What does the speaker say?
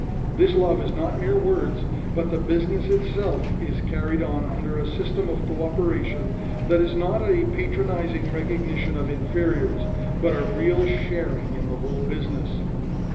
This love is not mere words, but the business itself is carried on under a system of co operation that is not a patronizing recognition of inferiors, but a real sharing in the whole business.